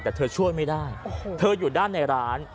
แต่เธอช่วยไม่ได้เธออยู่ด้านในร้าน